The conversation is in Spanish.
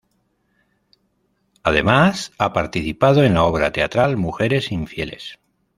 Además, ha participado en la obra teatral "Mujeres infieles".